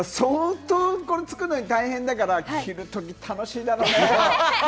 相当作るの大変だから、切る時、楽しいだろうね。